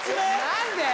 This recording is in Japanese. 何で？